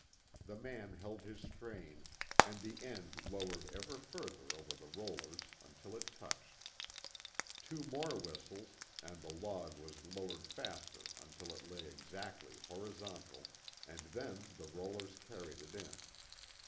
The man held his strain, and the end lowered ever further over the rollers until it touched. Two more whistles, and the log was lowered faster until it lay exactly horizontal, and then the rollers carried it in.